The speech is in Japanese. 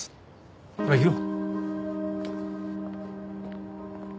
ほら行くよ。